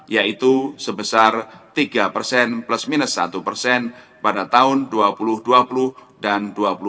yaitu sebesar tiga persen plus minus satu persen pada tahun dua ribu dua puluh dan dua ribu dua puluh